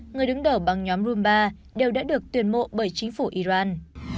người đứng đầu băng nhóm rumba đều đã được tuyển mộ bởi chính phủ iran